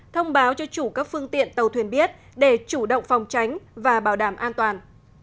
thông báo cho chủ các phương tiện tàu thuyền biết để chủ động phòng tránh và bảo đảm an toàn